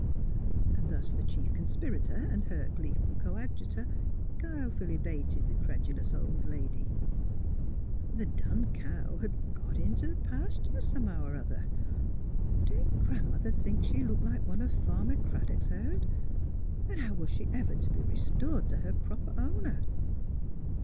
And thus the chief conspirator and her gleeful coadjutor guilefully baited the credulous old lady. The dun cow had " got in t' th' pastur' somehow er other." Did Gran 'mother think she looked like one of Farmer Craddock's herd? And how was she ever to be restored to her proper o'wner?